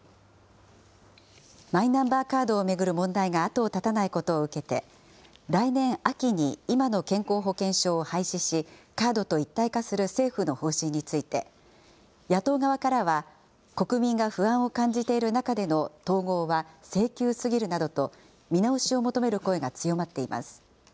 マイナンバーカードを巡る問題が後を絶たないことを受けて、来年秋に今の健康保険証を廃止し、カードと一体化する政府の方針について、野党側からは、国民が不安を感じている中での統合は性急すぎるなどと、見直しを求める声が強まっています。